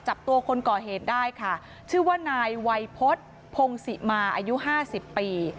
จับตัวคนก่อเหตุได้ค่ะชื่อว่านายวัยพฤษพงศิมาอายุห้าสิบปี